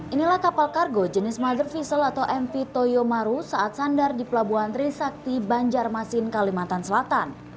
inilah kapal kargo jenis mother vessel atau mp toyomaru saat sandar di pelabuhan trisakti banjarmasin kalimantan selatan